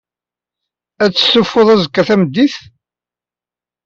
Ad testufuḍ azekka tameddit?